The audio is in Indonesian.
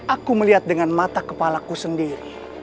aku melihat dengan mata kepala ku sendiri